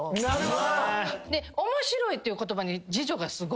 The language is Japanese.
面白いっていう言葉に次女が。